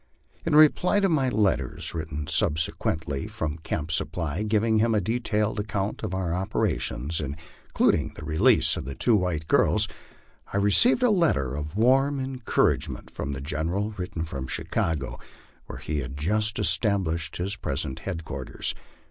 In reply to my letter, written subsequently from Camp Supply, giving him a detailed account of our operations, including the release of the two white girls, I received a letter of warm encouragement from the General, written from Chicago, where he had just established his present headquarters.